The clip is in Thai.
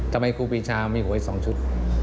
ทำไมครูปีชามีหัวให้๒ชุด